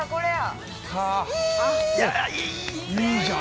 ◆おっ、いいじゃん。